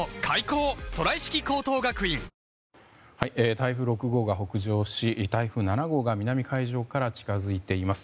台風６号が北上し台風７号が南海上から近づいています。